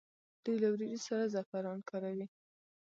دوی له وریجو سره زعفران کاروي.